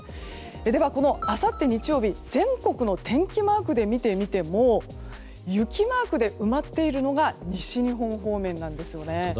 では、あさって日曜日全国の天気マークで見てみても雪マークで埋まっているのが西日本方面なんですよね。